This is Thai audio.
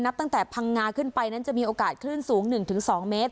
ตั้งแต่พังงาขึ้นไปนั้นจะมีโอกาสคลื่นสูง๑๒เมตร